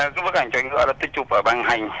cái bức ảnh chọi ngựa là tôi chụp ở bằng hành